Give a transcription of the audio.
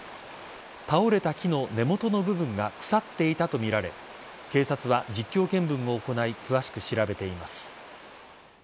倒れた木の根元の部分が腐っていたとみられ警察は実況見分を行い詳しく調べています。